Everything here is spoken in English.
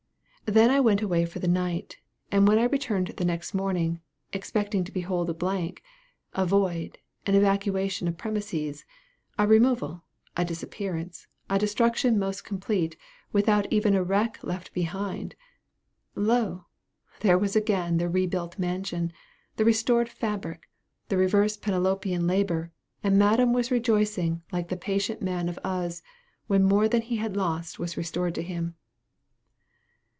Then I went away for the night, and when I returned the next morning, expecting to behold a blank a void, an evacuation of premises a removal a disappearance a destruction most complete, without even a wreck left behind lo! there was again the rebuilt mansion the restored fabric, the reversed Penelopian labor: and madam was rejoicing like the patient man of Uz, when more than he had lost was restored to him.